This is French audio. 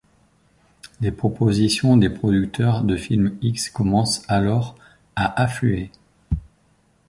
Les propositions des producteurs de films X commencent alors à affluer.